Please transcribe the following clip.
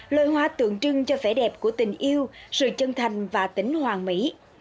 loài hoa tượng trưng cho vẻ đẹp của tình yêu sự chân thành và tính hoàng mỹ